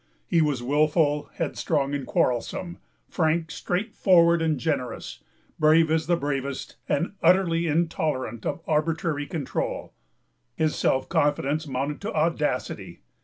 He was wilful, headstrong, and quarrelsome; frank, straightforward, and generous; brave as the bravest, and utterly intolerant of arbitrary control. His self confidence mounted to audacity.